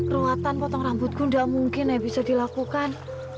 ruatan potong rambutku tidak mungkin bisa dilakukan